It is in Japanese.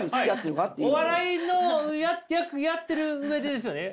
お笑いのやってる上でですよね？